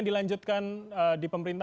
dilanjutkan di pemerintahan